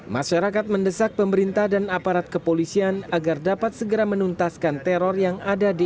masyarakat mendesak pemerintah dan aparat kepolisian agar dapat segera menuntaskan teror yang ada di